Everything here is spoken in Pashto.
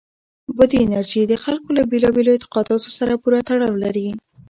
بادي انرژي د خلکو له بېلابېلو اعتقاداتو سره پوره تړاو لري.